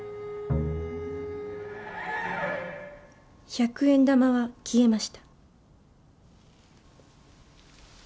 １００円玉は消えました。